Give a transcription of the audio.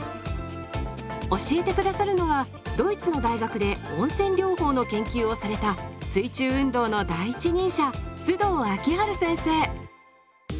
教えて下さるのはドイツの大学で温泉療法の研究をされた水中運動の第一人者須藤明治先生。